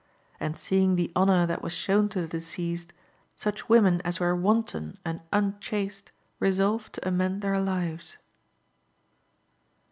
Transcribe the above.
And seeing the honour that was shown to the deceased, such women as were wanton and unchaste resolved to amend their lives.